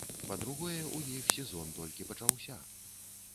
Па-другое, у іх сезон толькі пачаўся.